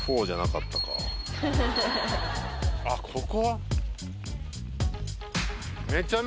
あっここ？